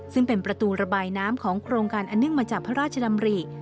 ซึ่งเป็นประตูระบายน้ำของโครงการอันเนื่องมาจากพระราชดำริ